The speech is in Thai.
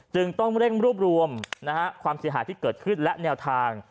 จึงต้องเร่งรวบรวมความเสียหายที่เกิดขึ้นและแนวทาง